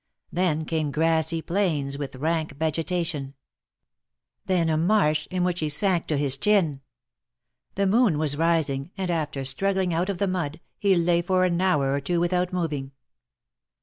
Then came grassy plains with rank vegetation. Then a marsh in which he sank to his chin. The moon was rising, and after strug gling out of the mud, he lay for an hour or two without moving.